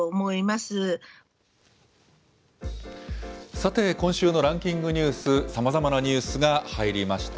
さて、今週のランキングニュース、さまざまなニュースが入りました。